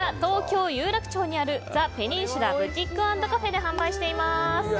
こちら東京・有楽町にあるザ・ペニンシュラブティック＆カフェで販売しています。